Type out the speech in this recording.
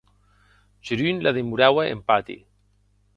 Jorunn la demoraue en pati.